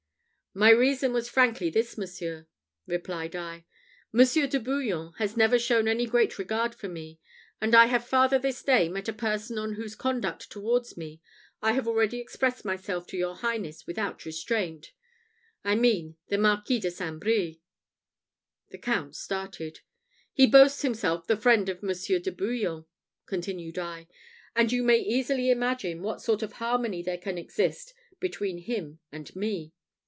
"My reason was frankly this, monseigneur," replied I; "Monsieur de Bouillon has never shown any great regard for me; and I have farther this day met a person on whose conduct towards me I have already expressed myself to your highness without restraint I mean the Marquis de St. Brie." The Count started. "He boasts himself the friend of Monsieur de Bouillon," continued I, "and you may easily imagine what sort of harmony there can exist between him and me.